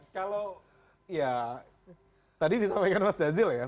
kalau ya tadi disampaikan mas jazil ya